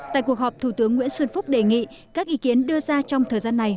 tại cuộc họp thủ tướng nguyễn xuân phúc đề nghị các ý kiến đưa ra trong thời gian này